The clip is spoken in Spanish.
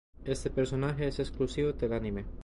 Este personaje es exclusivo del anime.